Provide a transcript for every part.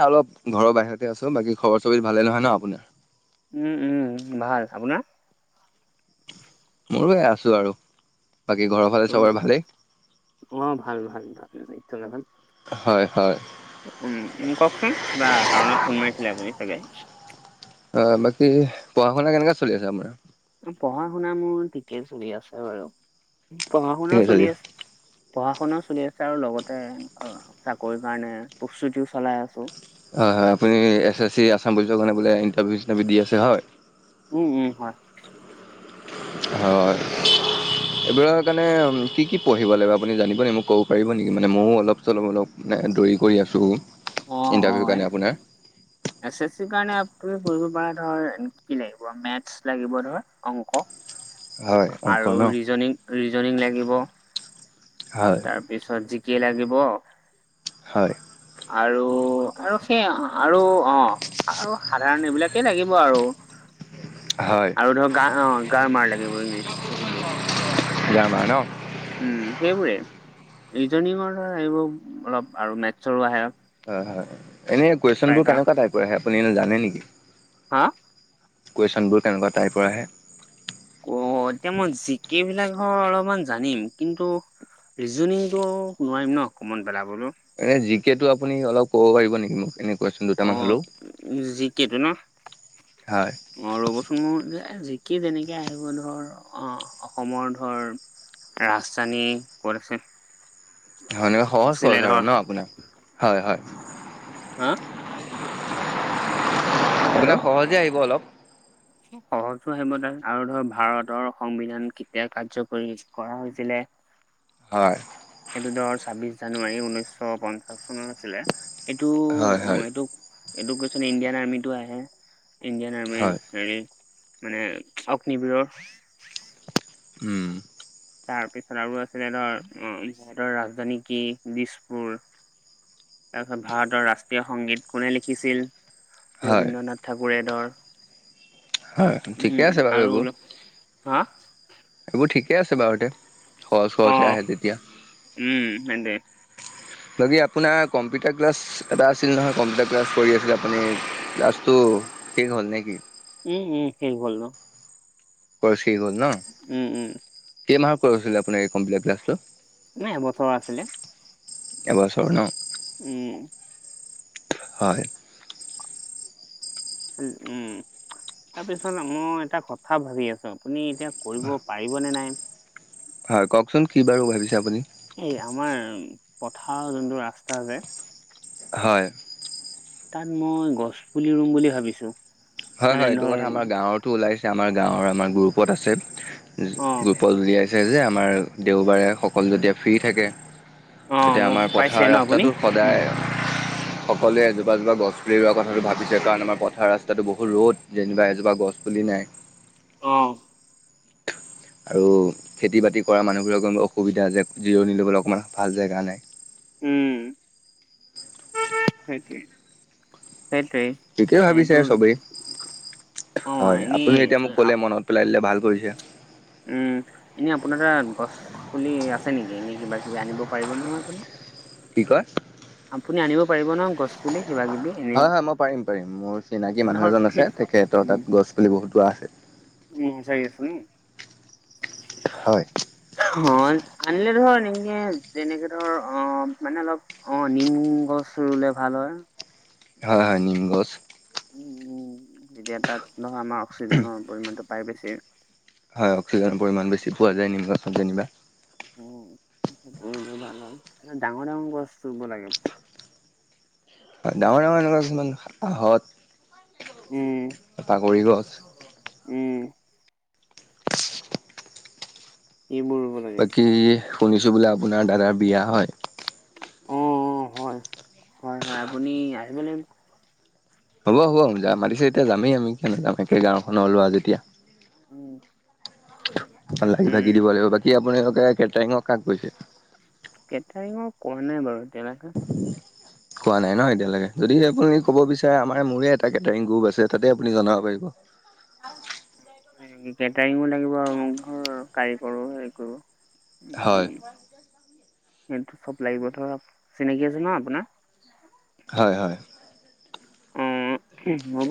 অলপ ঘৰৰ বাহিৰতে আছোঁ‌, বাকী খবৰ চবিত ভালে নহয় ন আপোনাৰ? উম উম ভাল, আপোনাৰ? মইয়ো এয়া আছোঁ‌ আৰু, বাকী ঘৰৰ ফালে চবৰে ভালেই? অ', ভাল-ভাল-ভাল [unintelligible] হয় হয়। উম, কওকচোন কিবা কাৰণত ফোন মাৰিছিলে আপুনি চাগে। অ', বাকী পঢ়া শুনা কেনেকা চলি আছে আপোনাৰ? পঢ়া শুনা মোৰ ঠিকেই চলি আছে বাৰু, পঢ়া শুনাও চলি আছে পঢ়া শুনাও চলি আছে আৰু লগতে চাকৰি কাৰণে প্ৰস্তুতিও চলাই আছোঁ‌। হয় হয়, আপুনি এছ এছ চি, আছাম পুলিচৰ কাৰণে বোলে ইণ্টাৰভিউ চিটাৰভিউ দি আছে হয়? উম-উম, হয়। হয়। এইবোৰ কাৰণে কি পঢ়িব লাগিব, আপুনি জানিব নি, মোক ক'ব পাৰিব নেকি? মানে ময়ো অলপ চলপ অলপ মানে দৌৰি কৰি আছোঁ‌। অ'-অ', এ এছ এছ চিৰ কাৰণে তুমি পঢ়িব পাৰা ধৰ কি লাগিব, মেটছ লাগিব ধৰ অংক হয় অংক আৰু ন ৰিজনিং, ৰিজনিং লাগিব। হয়। তাৰ পিছত জিকে লাগিব। হয়। আৰু, আৰু সেই আৰু অ', আৰু সাধাৰণ এইবিলাকেই লাগিব আৰু। [inaudible] হয়। আৰু ধৰক গা-অ'-গাৰমাৰ লাগিব ইংলিছ, হিন্দী। গ্ৰামাৰ ন? উম, সেইবোৰে ৰিজনঙৰ এইবোৰ অলপ আৰু মেথছৰো আহে। হয় হয়, এনে কুৱেশন বোৰ প্ৰায়ভাগ। কেনেকুৱা টাইপৰ আহে আপুনি এনে জানে নেকি? হা? কুৱেশ্যনবোৰ কেনেকুৱা টাইপৰ আহে? অ', এতিয়া মই জিকে বিলাক হয় অলপমান জানিম, কিন্তু ৰিজনিংটো নোৱাৰিম ন, কমন পেলাবলৈও। এনে জিকেটো আপুনি অলপ ক'ব পাৰিব নেকি মোক? কেনে অ', জিকেটো ন? হয় অ', ৰ'বচোন মোৰ যে, এ যিকে যেনেকে আহিব ধৰ অ'-অসমৰ ধৰ ৰাজধানী ক'ত আছে? হয় এনেকে সহজ আছিলে সৰজ আৰু ধৰ ন আপোনাৰ? হয়-হয়। হা? হেল্ল'। আপোনাক সহজে আহিব অলপ। সহজো আহিব তাত আৰু ধৰ ভাৰতৰ সংবিধান কেতিয়া কাৰ্যকৰী কৰা হৈছিলে? হয়, এইটো ধৰ ছাব্বিশ জানুৱাৰী ঊনৈশশ পঞ্চাশ চনত আছিলে এইটো হয় হয় এইটো, এই টো কোৱেছন ইণ্ডিয়ান আৰ্মিতটো আহে, ইণ্ডিয়ান হয় আৰ্মিৰ হেৰি- মানে অগ্নিবিৰৰ- উম, তাৰপিছত আৰু আছিলে ধৰ যহতৰ ৰাজধানী কি দিছপুৰ। তাৰপিছত, ভাৰতৰ ৰাষ্ট্ৰীয় সংগীত কোনে লিখিছিল হয় ৰবীন্দ্ৰনাথ ঠাকুৰে ধৰ হয় ঠিকে উম, আছে বাৰু আৰু এইবোৰ অলপ হা- এইবোৰ ঠিকেই আছে বাৰু দে সহজ অ সহজে আহে যেতিয়া। উম তেন্তে, বাকী আপোনাৰ কম্পিউটাৰ ক্লাছ- এটা আছিল নহয় কম্পিউটাৰ ক্লাছ কৰি আছিলে আপুনি ক্লাছটো শেষ হ'ল নে কি? উ'ম উ'ম শেষ হল ন। ক্ৰচ শেষ হল ন? উম উম। কেই মাহত কৰি উঠিলে আপুনি এই কম্পিউটাৰ ক্লাছটো? নাই এবছৰৰ আছিলে। এবছৰ ন। উম। হয়। উম। তাৰপিছত মই এটা কথা ভাবি আছোঁ আপুনি এতিয়া কৰিব পাৰিবনে নাই। হয় কওকচোন কি বাৰু ভাবিছে আপুনি এই আমাৰ পথাৰৰ যোনটো ৰাস্তা যে, হয়। তাত মই গছ পুলি ৰুম বুলি ভাবিছোঁ। হয়, হয়, এইটো কথা আমাৰ গাঁৱতো ওলাইছে। আমাৰ গাঁৱৰ আমাৰ গ্ৰুপত আছে। অ গ্ৰুপত উলিয়াইছে যে আমাৰ দেওবাৰে সকলো যেতিয়া ফ্ৰী থাকে। অ এতিয়া মোক আমাৰ পাইছে পথাৰ ন আপুনি ৰাস্তাটো উম সদায়। সকলোৱে এজোপা এজোপা গছ পুলি ৰোৱা কথা ভাবিছে। কাৰণ আমাৰ পথাৰ ৰাস্তাটো বহুত ৰ'দ যেনিবা এজোপা গছ পুলি নাই। অহ। আৰু খেতি বাতি কৰা মানুহবোৰ অকণমান অসুবিধা যে, জিৰণি ল'বলৈ অকণমান ভাল জেগা নাই। উম। সেইটোৱে সেইটোৱে। ঠিকেই ভাবিছে সেইটো চবেই অ হয়। এনেই আপুনি এতিয়া মোক ক'লে আ- মনত পেলাই দিলে ভাল কৰিছে। উ'ম এনে আপোনাৰ তাত গছ পুলি আছে নেকি এনেই কিবা কিবি আনিব পাৰিব নহয় আপুনি কি কয়? আপুনি আনিব পাৰিব ন গছ পুলি কিবা কিবি এনেই হয় হয় মই পাৰিম পাৰিম মোৰ চিনাকি ধৰ মানুহ এজন আছে তেখেতৰ উম তাত গছ পুলি বহুত ৰোৱা আছে। উম বিচাৰি আছে নেকি হয়। অ' আনিলে ধৰ এনেকে যেনেকে ধৰ অ' মানে অলপ অ' নিম গছ ৰুলে ভাল হয়। হয় হয়, নিম গছ। উম, উম, তেতিয়া তাত নহয়, আমাৰ অক্সিজেনৰ পৰিমাণটো পাই বেছি। হয়, অক্সিজেন পৰিমাণ বেছি পোৱা যায় নিমগছত যেনিবা। উম [unintelligible] এনে ডাঙৰ ডাঙৰ গছ ৰুব লাগে। ডাঙৰ ডাঙৰ এনে কিছুমান হত, উম, বাগৰি গছ। উম। এইবোৰ ৰুব - বাকী শুনিছোঁ, বোলে আপোনাৰ দাদাৰ বিয়া, হয়? অ' অ' হয়। হয় হয়, আপুনি আহিব লাগিব। হ'ব হ'ব আমি যাম, মাতিছে যেতিয়া যামে আমি। কিয় নাযাম, একে গাঁৱখনৰ ল'ৰা যেতিয়া। উম। উম, লাগি-ভাকি দিব লাগিব। বাকী আপোনালোকে কেটাৰিঙক কাক কৈছে? কেটাৰিঙক কোৱা নাই বাৰু। এতিয়ালৈকে। কোৱা নাই ন' এতিয়ালৈকে। যদিহে আপুনি ক'ব বিচাৰে, আমাৰ মোৰে- এ' কেটাৰিঙ গ্ৰুপ আছে। তাতে আপুনি জনাব পাৰিব। [unintelligible] [unintelligible] উম, কেটাৰিঙো লাগিব আৰু মোক ধৰ, কাৰিকৰো সেই কৰোঁ। হয়। সেইটো চব লাগিব ধৰাক। চিনাকি আছে ন' আপোনাৰ? হয় হয়। অ' হ'ব।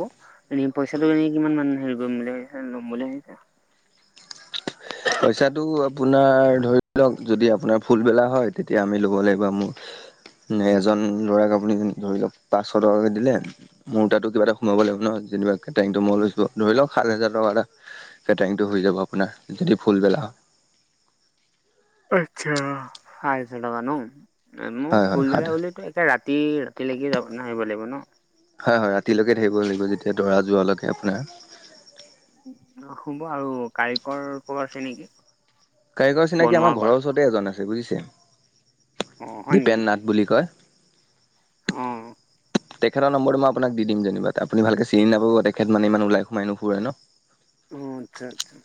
এনে পইচাটো এনে কিমানমান হেৰি কৰিম বুলি ভাবিছে? লম বুলি ভাবিছে? পইচাটো আপোনাৰ ধৰি লওক, যদি আপোনাৰ ফুলবেলা হয়, তেতিয়া আমি ল'ব লাগিব মোৰ - উম, এজন ল'ৰাক আপুনি ধৰি লওক, পাঁচশ টকাকে দিলে - মোৰ তাতো কিবা এটা সোমাব লাগিব ন'। যেনিবা কেটিৰিঙটো মই লৈছোঁ। ধৰি লওক সাত হাজাৰ টকা এটা - কেটাৰিংটো হৈ যাব আপোনাৰ, যদি ফুলবেলা। আচ্ছা, সাত হাজাৰ টকা ন'। এ' মোৰ হয় হয় হয় সাত ফুলবেলা বুলিটো এক- এ ৰাতি ৰাতিলৈকে যাব ন', আহিব লাগিব ন। হয় হয, ৰাতিলৈকে থাকিব লাগিব। যেতিয়া দৰা যোৱালৈকে আপোনাৰ। অ' হ'ব, আৰু কাৰিকৰ ক'বাত আছে নেকি? কাৰিকৰ চিনাকি, আমাৰ ঘৰৰ ওচৰতে এজন আছে, বুজিছে। অ হয় 'দীপেন নাথ' বুলি কয়। অহ। তেখেতৰ নম্বৰটো মই আপোনাক দি দিম যেনিবা। আপুনী ভালকে চিনি নাপাব, তেখেত মানে ইমান ওলাই-সোমাই নুফুৰে ন'। উম, আচ্ছা, আচ্ছা।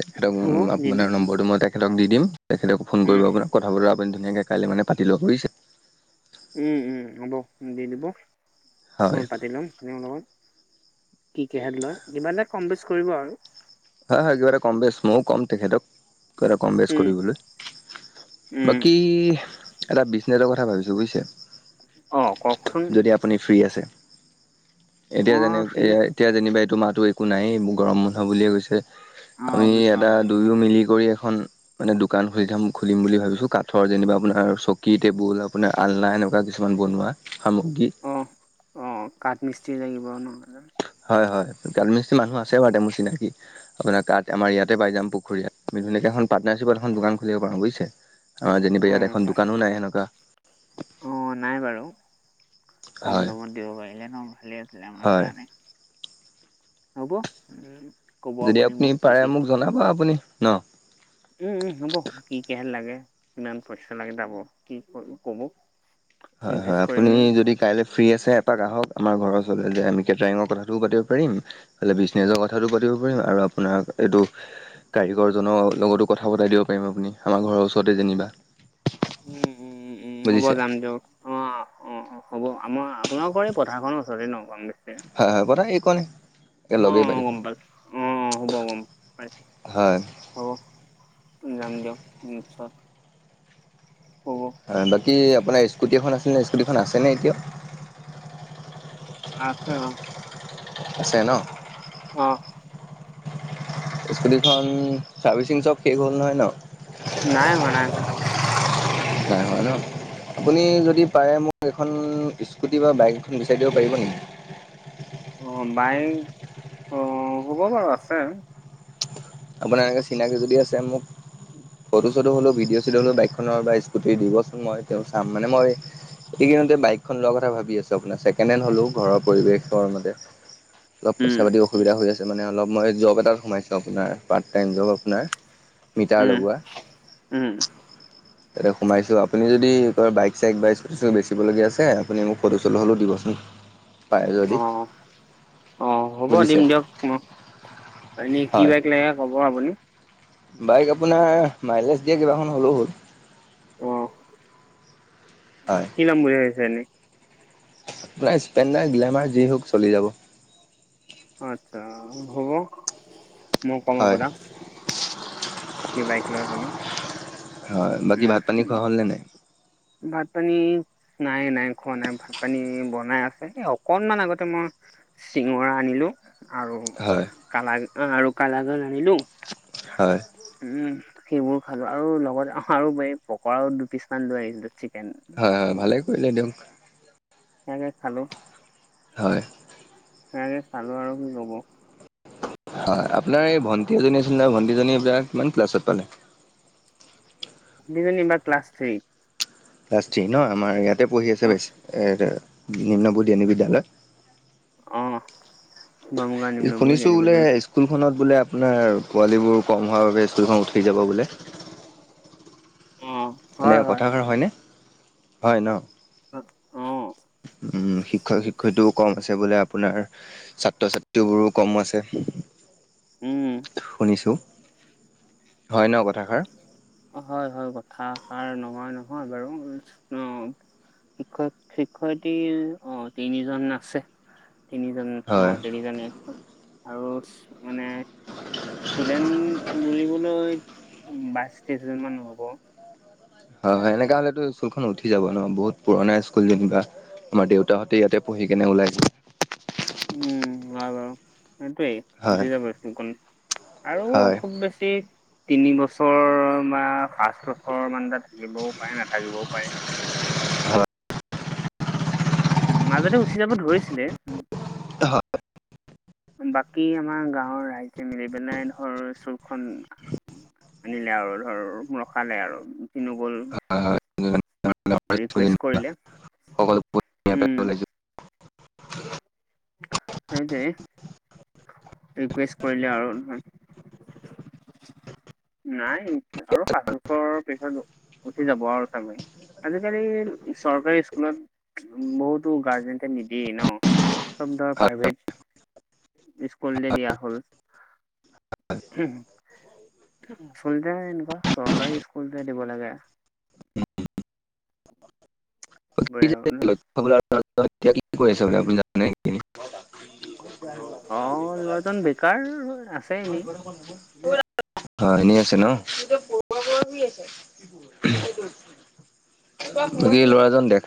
তেখেতক হ'ব দি আপোনাৰ নম্বৰটো মই তেখেতক দি দিম। তেখেতে ফোন উম কৰিব আপোনাক। কথাবোৰো আপুনি ধুনিয়াকে কাইলৈ মানে পাতি ল'ব বুজিছে। উম উম, হ'ব, দি দিব। হয় মই পাতি লম তেওঁৰ লগত। কি কি সাক লয়। যিমানে কম-বেছ কৰিব আৰু। হয় হয়, কিবা এটা কম-বেছ মইয়ো ক'ম তেখেতক। কিবা এটা কম-বেছ উম কৰিবলৈ। উম বাকী এটা বিজনেছৰ কথা ভাবিছোঁ, বুজিছে? অ' কওকচোন। যদি আপুনি ফ্ৰী আছে। এতিয়া মই যেনে ফ্ৰী এ আই - এতিয়া যেনিবা এইটো মাহটো একো নাইয়ে, গৰম বন্ধ বুলিয়ে গৈছে। অ', আমি এটা গ্ৰীষ্মকালীন উম। দুয়ো মিলি কৰি এখন মানে, দোকান খুলি থম, খুলিম বুলি ভাবিছোঁ। কাত - থৰ যেনিবা আপোনাৰ চকী টেবুল আপোনাৰ আলনা এনেকুৱা কিছুমান বনোৱা সামগ্ৰী অঁ অঁ কাঠ মিস্ত্ৰী লাগিব নহলে হয় হয় কাঠ মিস্ৰী মানুহ আছে বাৰু তেওঁ মোৰ চিনাকি আপোনাৰ কাঠ আমাৰ ইয়াতে পাই যাম আপোনাৰ কাঠ আমাৰ ইয়াতে পায় যাম পুখুৰী ইয়াত বিহুলৈকে এখন পাৰ্টনাৰশ্বিপত এখন দোকান খুলিব পাৰো বুজিছে অ যেনিবা ইয়াত অ', এখন তা দোকানো নাই সেনেকুৱা অ নাই বাৰু কম হয় দামত দিব পাৰিলে ন ভালে আছিলে আমাৰ হয় কাৰণে হ'ব উম ক'ব যদি আপুনি মোক পাৰে কেতিয়া মোক জনাব আপুনি ন উম উম হ'ব কি কিহ লাগে কিমান পইচা লাগে যাব কি কব হয় হয় ইনভেষ্ট কৰিম আপুনি মই। যদি কাইলৈ ফ্ৰী আছে এপাক আহক আমাৰ ঘৰৰ ওচৰলৈ যে আমি কেটাৰিঙৰ কথাটোও পাতিব পাৰিম নিজৰ কথাটো পাতিব পাৰিম আৰু আপোনাক এইটো কাৰিকৰজনৰ লগতো কথা পতাই দিব পাৰিম আপুনি আমাৰ ঘৰৰ ওচৰতে যেনিবা উম উম উম উম হ'ব বুজিছে যাম দিয়ক অ অ অ হ'ব আমাৰ আপোনালোকৰ এই পথাৰখনৰ ওচৰতে ন পাম বেছি হয় হয় পথাৰৰ এইখনে এ অ', লগেই পাই অ', থাকো গম পালোঁ অ', হ'ব গম পাইছোঁ হয় হ'ব যাম দিয়ক নিশ্চয় হ'ব হয় বাকী আপোনাৰ স্কুটি এখন আছিলে ন স্কুটিখন আছেনে এতিয়াও আছে অ আছে ন অ স্কুটিখন চাৰ্ভিচিং চব শেষ হ'ল নহয় ন নাই হোৱা নাই হোৱা নাই হোৱা ন আপুনি যদি পাৰে মোক এখন স্কুটি বা বাইক এখন বিচাৰি দিব পাৰিব নেকি অ বাইক অ হ'ব বাৰু আছে আপোনাৰ চিনাকি যদি আছে মোক ফটো-চটো হ'লো, ভিডিঅ-চিডিঅ হ'লো বাইকখনৰ বা স্কুটি দিবচোন, মই তেওঁ চাম মানে মই এইকেদিনতে বাইকখন লোৱাৰ কথা ভাবি আছো, আপোনাৰ ছেকেণ্ড হেণ্ড হ'লেও ঘৰৰ পৰিৱেশৰ মতে। অলপ উম পইচা-পাতি অসুবিধা হৈ আছে মানে, অলপ মই জব এটাত সোমাইছোঁ আপোনাৰ। পাৰ্ট টাইম জব আপোনাৰ, মিটাৰ উম লগোৱা। উম' তাতে সোমাইছোঁ। আপুনি যদি কিবা বাইক- চাইক বা স্কুটি-চুটি বেচিবলগীয়া আছে আপুনি মোক ফটো-চটো হ'লেও দিবচোন, পাৰে যদি, অ বুজিছে। উম' এনে কি হয় বাইক লাগে ক'ব আপুনি? বাইক আপোনাৰ, মাইলেজ দিয়া কিবাখন হ'লেও হ'ল। অ'হ হয়। কি লম বুলি ভাবিছে এনেই? আপোনাৰ স্প্লেণ্ডাৰ, গ্লেমাৰ যি হওক চলি যাব। অ, আচ্ছা হ'ব মই কম হয়। আপোনাক। কি বাইক লয় আপুনি? হয়, বাকী ভাত-পানী খোৱা হ'ল নে নাই? ভাত-পানী নাই নাই খোৱা নাই, ভাত-পানী বনাই আছে। এ অকনমান আগতে মই চিঙৰা আনিলো আৰু হয় কালাগান আৰু কালাগান আনিলো। হয়। উম সেইবোৰ খালো আৰু লগত আৰু এই পকৰাও দুপিচমান লৈ আহিছিলো চিকেন। এ ভালে কৰিলে দিয়ক। তাকে খালো। হয় তাকে খালো আৰু কি ক'ব। হয়। আপোনাৰ এই ভণ্টি এজনী আছিল নহয়, ভণ্টিজনী এইবাৰ কিমান ক্লাছত পালে? ভন্টীজনী এইবাৰ ক্লাছ থ্ৰী। ক্লাছ থ্ৰী ন', আমাৰ ইয়াতে পঢ়ি আছে অ বেছ নিম্ন বুনিয়াদী বিদ্যালয়। অ'হ, শুনিছো বোলে [unintelligible] স্কুলখনত বোলে আপোনাৰ পোৱালীবোৰ কম হোৱাৰ বাবে স্কুলখন উঠি যাব বোলে। অ' হয় এনেই হয় কথাষাৰ হয়নে? হয় ন'? অ' উম শিক্ষক-শিক্ষয়িত্ৰীও কম আছে বোলে আপোনাৰ। ছাত্ৰ-ছাত্ৰীবোৰো কম আছে। উম শুনিছো হয় ন কথাষাৰ? [unintelligible] হয় হয়, কথাষাৰ নহোৱা নহয় বাৰু অ' শিক্ষক-শিক্ষয়িত্ৰী, অ' তিনিজন আছে। তিনিজন, অ' হয় তিনিজনী আৰু মানে ষ্টুডেন্ট বুলিবলৈ বাইছ, তেইছজন মান হ'ব। হয় হয়, এনেকা হ'লেতো স্কুলখন উঠি যাব ন' বহুত পুৰণা স্কুল যেনিবা। আমাৰ দেউতাহঁতে ইয়াতে পঢ়ি কেনে ওলাইছিল। উম' [unintelligible] হয় উঠি যাব স্কুলখন। আৰু হয় হয়। খুব বেছি তিনিবছৰ বা পাঁচবছৰ মান তাত থাকিবও পাৰে, নাথাকিবও পাৰে। উম মাজতে উঠি যাব ধৰিছিলে। [unintelligible] বাকী আমাৰ গাঁৱৰ ৰাইজে মিলি পেলাই ধৰ স্কুলখন আনিলে আৰু ধৰ ৰখালে আৰু গুচি নগ'ল। [unintelligible] ৰিকুৱেষ্ট কৰিলে উম। সেইটোৱে, ৰিকুৱেষ্ট কৰিলে আৰু নাই আৰু [unintelligible] পিছত উঠি যাব আৰু চাগে। আজিকালি চৰকাৰী স্কুলত বহুতো গাৰ্জেনটে নিদিয়েই ন'। চব ধৰা প্ৰাইভেট স্কুলতে দিয়া হ'ল। আচলতে এনেকুৱা চৰকাৰী স্কুলতে দিব লাগে। [unintelligible] [inaudible] এইবোৰে আৰু ন হয়, অ ল'ৰাজন বেকাৰ আছে এনে এনেই আছে ন'। বাকী এই ল'ৰাজন দেখা